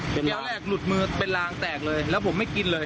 แก้วแรกหลุดมือเป็นลางแตกเลยแล้วผมไม่กินเลย